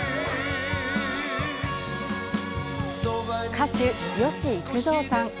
歌手・吉幾三さん。